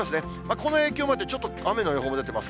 この影響もあって、ちょっと雨の予報も出てます。